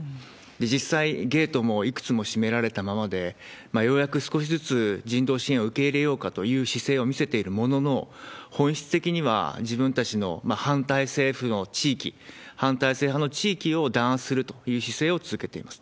実際、ゲートもいくつも閉められたままで、ようやく少しずつ人道支援を受け入れようかという姿勢を見せているものの、本質的には自分たちの反対政府の地域、反対政府の地域を弾圧するという姿勢を続けています。